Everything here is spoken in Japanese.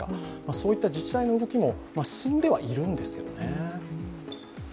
そういった自治体の動きも進んではいるんですけどね。